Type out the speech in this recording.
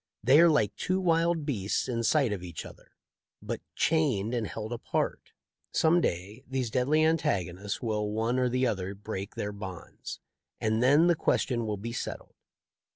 They are like two wild beasts in sight of each other, but chained and held apart. Some day these deadly antagonists will one or the other break their bonds, and then the question will be settled."